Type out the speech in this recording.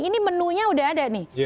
ini menunya udah ada nih